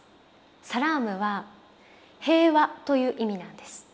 サラームは平和という意味なんです。